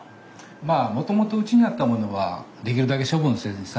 まあもともとうちにあったものはできるだけ処分せずに再利用して。